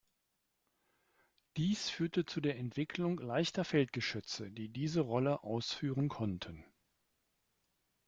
Dies führte zu der Entwicklung leichter Feldgeschütze, die diese Rolle ausführen konnten.